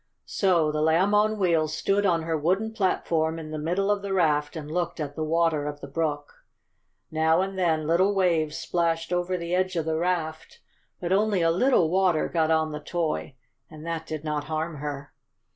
So the Lamb on Wheels stood on her wooden platform in the middle of the raft and looked at the water of the brook. Now and then little waves splashed over the edge of the raft, but only a little water got on the toy, and that did not harm her.